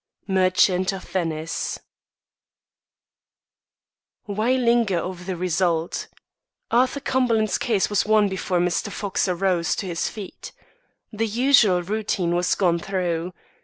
Merchant of Venice. Why linger over the result. Arthur Cumberland's case was won before Mr. Fox arose to his feet. The usual routine was gone through.